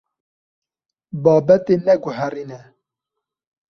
Babetê neguherîne.